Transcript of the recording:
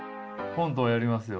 コントやりますよ。